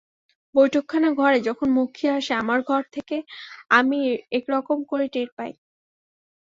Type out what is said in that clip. বৈঠকখানা-ঘরে যখন মক্ষী আসে আমার ঘর থেকে আমি একরকম করে টের পাই।